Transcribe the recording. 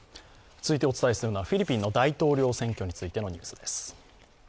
続いてお伝えするのはフィリピンの大統領選挙についてのニュースです。